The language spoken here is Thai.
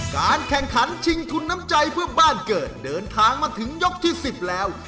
การแข่งขันชิงทุนน้ำใจเพื่อบ้านเกิดเดินทางมาถึงยกที่๑๐แล้ว